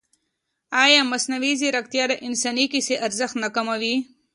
ایا مصنوعي ځیرکتیا د انساني کیسې ارزښت نه کموي؟